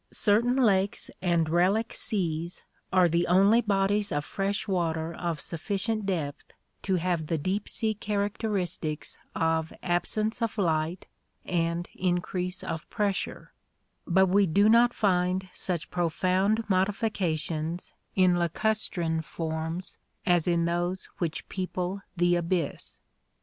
Certain lakes and relic seas are the only bodies of fresh water of sufficient depth to have the deep sea characteristics of absence of light and increase of pressure, but we do not find such profound modifications in lacus trine forms as in those which people the abyss.